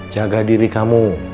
jaga diri kamu